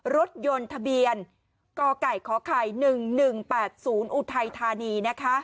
รถยนต์ทะเบียนกกค๑๑๘๐อุทัยทานีนะคะ